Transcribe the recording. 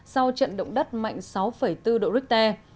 sau trận động đất mạnh sáu bốn độ richter